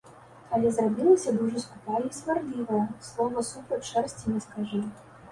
Але зрабілася дужа скупая і сварлівая, слова супроць шэрсці не скажы.